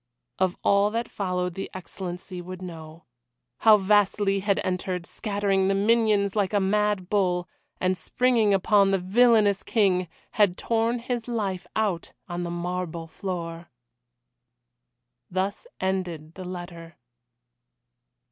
Of all that followed the Excellency would know. How Vasili had entered, scattering the minions like a mad bull, and springing upon the villainous King, had torn his life out on the marble floor. Thus ended the letter.